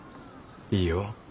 いいよ。